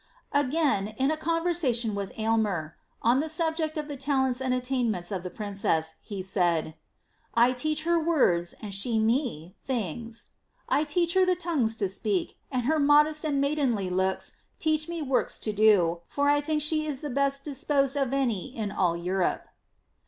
Again, in a conversation with Aylner, on the aubject of the talents and attainments of the princess, he wd, ^ I teach her words and ahe roe, things. 1 teach her the tonguea to speak, and her modeat and maidenly looks teach me works to do, for I think ahe is the best disposed of any in all Europe."